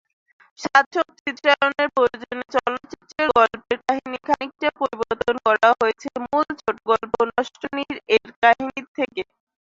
সার্থক চিত্রায়নের প্রয়োজনে চলচ্চিত্রের গল্পের কাহিনী খানিকটা পরিবর্তন করা হয়েছে মূল ছোটগল্প নষ্টনীড়-এর কাহিনী থেকে।